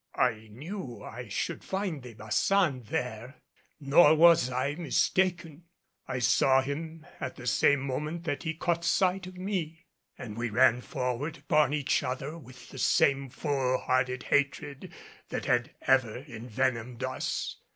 I knew I should find De Baçan there. Nor was I mistaken; I saw him at the same moment that he caught sight of me, and we ran forward upon each other with the same full hearted hatred that had ever envenomed us.